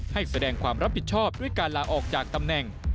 แสดงความรับผิดชอบด้วยการลาออกจากตำแหน่ง